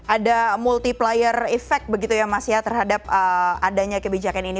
ada multiplier effect begitu ya mas ya terhadap adanya kebijakan ini